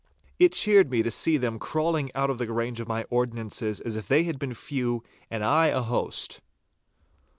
It cheered me to see them crawling out of the range of my ordnances as if they had been few and I a host.